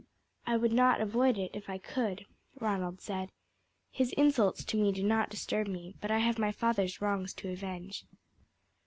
"I would not avoid it if I could," Ronald said. "His insults to me do not disturb me; but I have my father's wrongs to avenge."